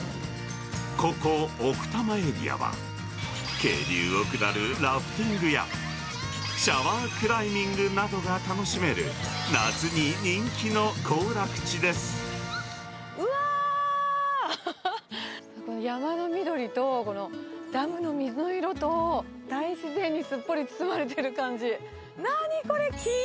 ここ、奥多摩エリアは、渓流を下るラフティングやシャワークライミングなどが楽しめる、うわー、山の緑とこのダムの水の色と、大自然にすっぽり包まれてる感じ。